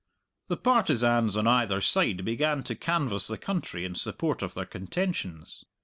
The partisans on either side began to canvass the country in support of their contentions.